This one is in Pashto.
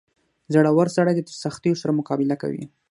• زړور سړی د سختیو سره مقابله کوي.